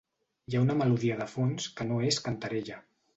Hi ha una melodia de fons que no és cantarella.